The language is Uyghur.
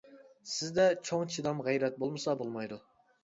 سىزدە چوڭ چىدام غەيرەت بولمىسا بولمايدۇ.